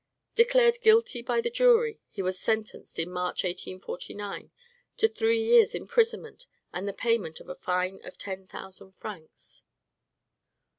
Declared guilty by the jury, he was sentenced, in March, 1849, to three years' imprisonment and the payment of a fine of ten thousand francs.